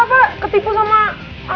dalam musimun ketiga kamu terhipnotis ya